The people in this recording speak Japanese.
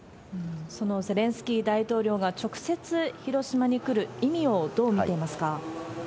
そのゼレンスキー大統領が、直接広島に来る意味をどう見ていますか？